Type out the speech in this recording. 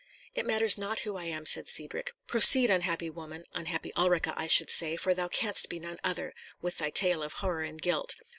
"It matters not who I am," said Cedric; "proceed, unhappy woman, unhappy Ulrica, I should say, for thou canst be none other, with thy tale of horror and guilt.